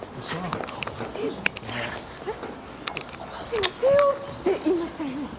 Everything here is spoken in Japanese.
今Ｔ・Ｏって言いましたよね？